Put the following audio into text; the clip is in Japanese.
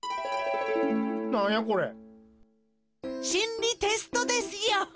りテストですよ。